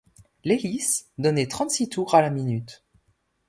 L’hélice donnait trente-six tours à la minute.